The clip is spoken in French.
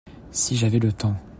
si j'avais le temps.